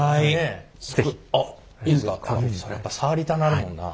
やっぱ触りたなるもんな。